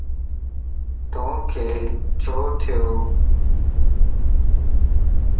توکَ ڇو ٿيوَ؟